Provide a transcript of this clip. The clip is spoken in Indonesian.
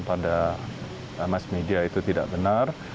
pada mas media itu tidak benar